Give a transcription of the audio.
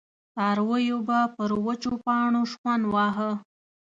څارويو به پر وچو پاڼو شخوند واهه.